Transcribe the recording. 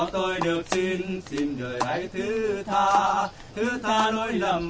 thứ tha đối lầm